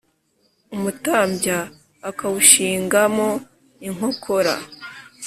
umutambya akawushinga mo inkokora,